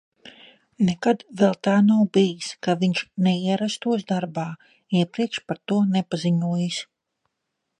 Nekad vēl tā nav bijis, ka viņš neierastos darbā, iepriekš par to nepaziņojis.